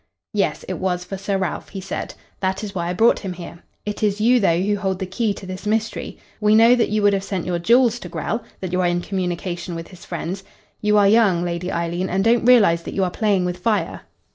"Yes, it was for Sir Ralph," he said. "That is why I brought him here. It is you, though, who hold the key to this mystery. We know that you would have sent your jewels to Grell, that you are in communication with his friends. You are young, Lady Eileen, and don't realise that you are playing with fire.